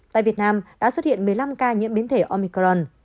tại việt nam đã xuất hiện một mươi năm ca nhiễm biến thể omicron